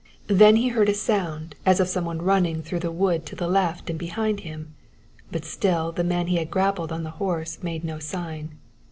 Then he heard a sound as of some one running through the wood to the left and behind him, but still the man he had grappled on the horse made no sign.